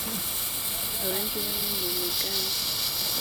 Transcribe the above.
abandi bo ni mu migani